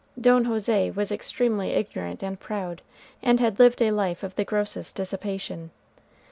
Don José was extremely ignorant and proud, and had lived a life of the grossest dissipation.